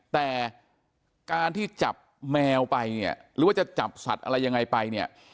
แต่การที่จับแมวไปเนี่ยหรือว่าจะจับสัตว์อะไรยังไงไปเนี่ย